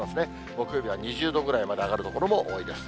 木曜日は２０度ぐらいまで上がる所も多いです。